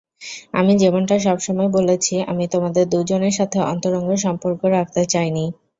আমি যেমনটা সবসময় বলেছি, আমি তোমাদের দুজনের সাথে অন্তরঙ্গ সম্পর্ক রাখতে চাইনি।